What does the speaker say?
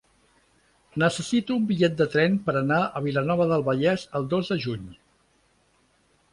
Necessito un bitllet de tren per anar a Vilanova del Vallès el dos de juny.